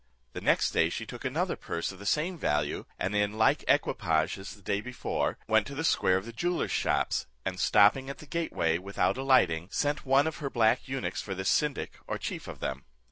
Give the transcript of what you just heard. The next day she took another purse of the same value, and in the like equipage as the day before, went to the square of the jewellers' shops, and stopping at the gateway without alighting, sent one of her black eunuchs for the syndic or chief of them.